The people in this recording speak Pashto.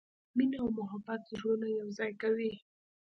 مینه او محبت زړونه یو ځای کوي.